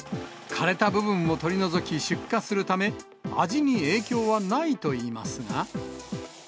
枯れた部分を取り除き、出荷するため、味に影響はないといいますが。